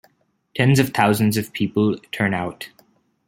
Tens of thousands of people turn out.